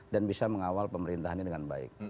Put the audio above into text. dan bisa mengawal pemerintah ini dengan baik